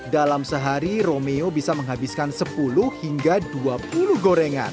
dalam sehari romeo bisa menghabiskan sepuluh hingga dua puluh gorengan